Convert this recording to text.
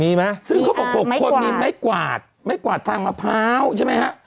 มีไหมซึ่งเขาบอก๖คนมีไม้กวาดไม้กวาดทางมะพร้าวใช่ไหมฮะ